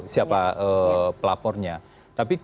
siapa pelapornya tapi